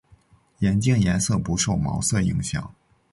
眼镜颜色不受毛色影响。